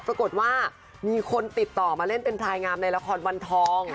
ปรากฏว่ามีคนติดต่อมาเล่นเป็นพลายงามในละครวันทอง